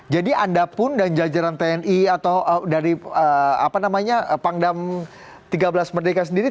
jadi anda pun dan jajaran tni atau dari apa namanya pangdam tiga belas merdeka sendiri